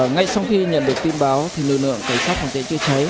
ngay sau khi nhận được tin báo thì lưu lượng cải sát phòng chế chưa trở